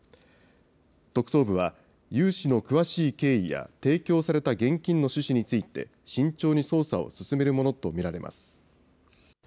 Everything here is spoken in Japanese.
特捜部は、融資の詳しい経緯や提供された現金の趣旨について、慎重に捜査を進めるものと見られます。